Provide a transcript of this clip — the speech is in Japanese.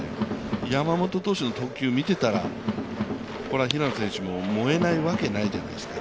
山本投手の投球を見てたら、これは平野選手も燃えないわけないじゃないですか。